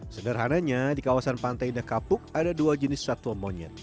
sederhananya di kawasan pantai indah kapuk ada dua jenis satwa monyet